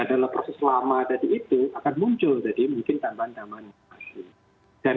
dalam proses lama tadi itu akan muncul jadi mungkin tambahan tambahan